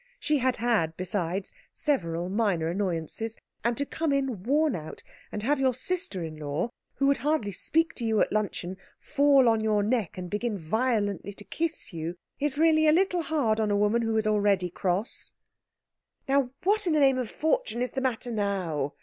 She had had, besides, several minor annoyances. And to come in worn out, and have your sister in law, who would hardly speak to you at luncheon, fall on your neck and begin violently to kiss you, is really a little hard on a woman who is already cross. "Now what in the name of fortune is the matter now?"